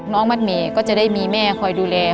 มัดหมี่ก็จะได้มีแม่คอยดูแล